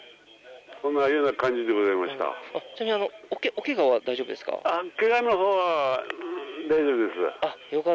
お怪我は大丈夫ですか？